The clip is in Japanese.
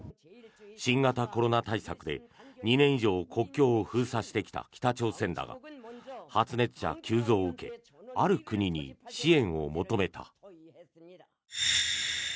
新型コロナ対策で２年以上国境を封鎖してきた北朝鮮だが発熱者急増を受けある国に支援を求めた。